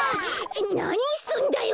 なにすんだよ